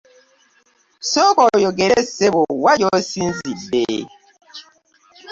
Sooka oyogere ssebo wa gy'osinzidde.